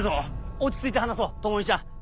落ち着いて話そう朋美ちゃん。